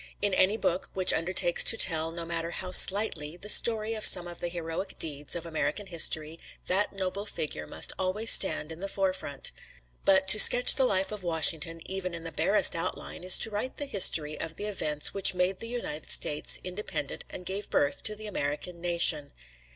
In any book which undertakes to tell, no matter how slightly, the story of some of the heroic deeds of American history, that noble figure must always stand in the fore front. But to sketch the life of Washington even in the barest outline is to write the history of the events which made the United States independent and gave birth to the American nation.